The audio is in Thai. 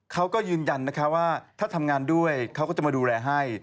เขาก็ยืนยันนะคะว่าถ้าทำงานด้วยเขาก็จะมาดูแลให้